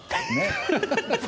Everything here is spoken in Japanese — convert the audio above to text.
ハハハハ！